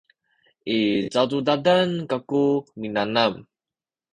i cacudadan kaku minanam